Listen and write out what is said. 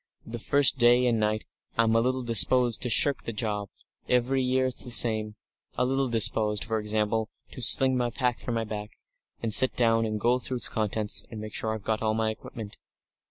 The first day and night I'm a little disposed to shirk the job every year it's the same a little disposed, for example, to sling my pack from my back, and sit down, and go through its contents, and make sure I've got all my equipment."